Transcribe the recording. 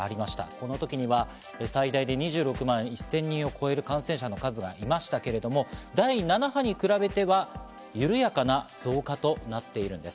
この時には最大で２６万１０００人を超える感染者の数がいましたけれども、第７波に比べては緩やかな増加となっているんです。